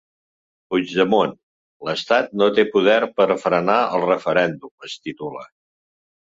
Puigdemont: l’estat no té poder per a frenar el referèndum, es titula.